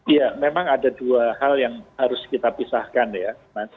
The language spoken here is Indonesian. ya memang ada dua hal yang harus kita pisahkan ya